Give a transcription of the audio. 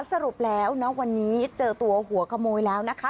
สรุปแล้วณวันนี้เจอตัวหัวขโมยแล้วนะคะ